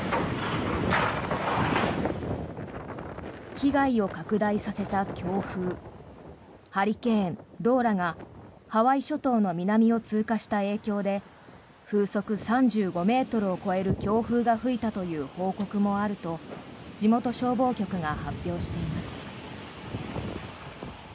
被害を拡大させた強風ハリケーン、ドーラがハワイ諸島の南を通過した影響で風速３５ｍを超える強風が吹いたという報告もあると地元消防局が発表しています。